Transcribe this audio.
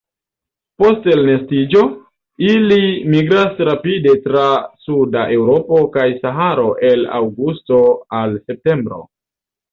Post elnestiĝo ili migras rapide tra suda Eŭropo kaj Saharo el aŭgusto al septembro.